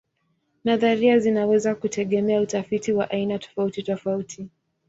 Nadharia zinaweza kutegemea utafiti wa aina tofautitofauti.